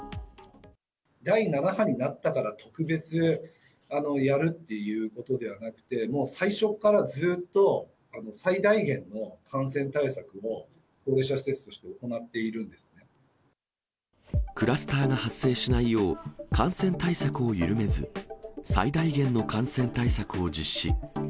第７波になったから特別やるっていうことではなくて、もう最初からずっと最大限の感染対策を、高齢者施設として行ってクラスターが発生しないよう、感染対策を緩めず、最大限の感染対策を実施。